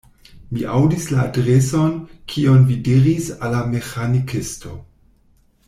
Mi aŭdis la adreson, kiun vi diris al la meĥanikisto.